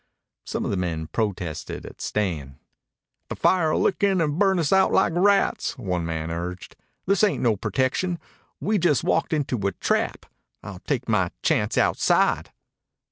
Some of the men protested at staying. "The fire'll lick in and burn us out like rats," one man urged. "This ain't no protection. We've just walked into a trap. I'll take my chance outside."